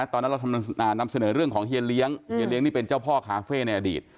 ตอนนั้นเรานำเสนอเรื่องของเฮียเลี้ยงเฮียเลี้ยงนี่เป็นเจ้าพ่อคาเฟ่ในอดีต